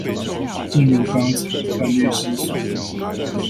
正如剛才范律師所言